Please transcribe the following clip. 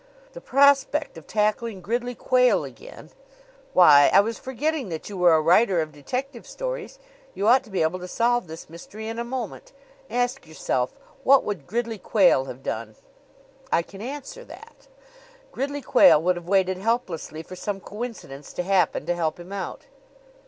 "The prospect of tackling Gridley Quayle again " "Why, I was forgetting that you were a writer of detective stories. You ought to be able to solve this mystery in a moment. Ask yourself, 'What would Gridley Quayle have done?'" "I can answer that. Gridley Quayle would have waited helplessly for some coincidence to happen to help him out."